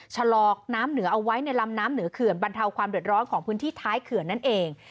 ชะลอกน้ำเหนือเอาไว้ในลำน้ำเหนือเขื่อนบรรเทาความเดือดร้อนของพื้นที่ท้ายเขื่อนนั่นเอง